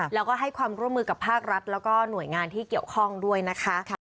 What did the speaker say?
แล้วก็ให้ความร่วมมือกับภาครัฐแล้วก็หน่วยงานที่เกี่ยวข้องด้วยนะคะ